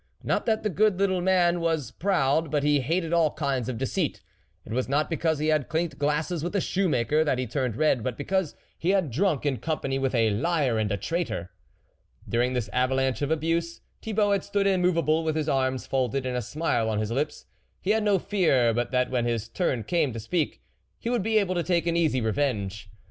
Not that the good little man was proud, but he hated all kinds of deceit ; it was not because he had clinked glasses with a shoe maker that he turned red, but because he had drunk in company with a liar and a traitor. During this avalanche of abuse Thibault had stood immovable with his arms folded and a smile on his lips. He had no fear but that when his turn came to speak, he would be able to take an easy THE WOLF LEADER revenge.